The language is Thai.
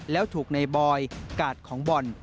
แล้วถูกในบอยกาดของบ่อน